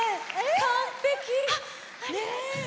完璧！